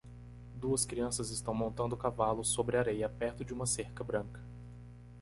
Duas crianças estão montando cavalos sobre areia perto de uma cerca branca.